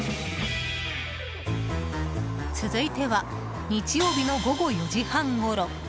続いては日曜日の午後４時半ごろ。